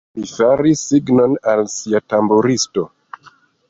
Li faris signon al sia tamburisto.